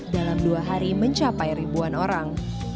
dalam dua hari mencapai ribuan orang